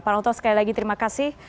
pak oto sekali lagi terima kasih